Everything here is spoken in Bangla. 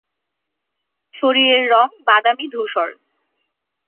শরীরের রং বাদামী-ধূসর।